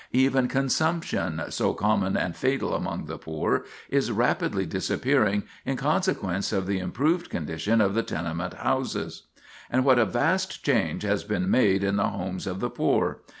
Even consumption, so common and fatal among the poor, is rapidly disappearing in consequence of the improved condition of the tenement houses. And what a vast change has been made in the homes of the poor!